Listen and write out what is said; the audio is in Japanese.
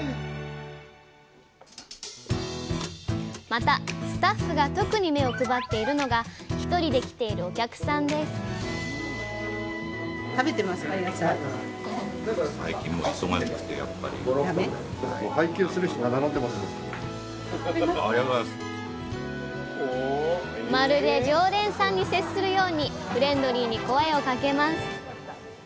またスタッフが特に目を配っているのが１人で来ているお客さんですまるで常連さんに接するようにフレンドリーに声をかけます